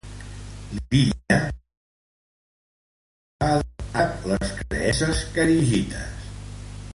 L'illa va adoptar durant la dominació àrab les creences kharigites.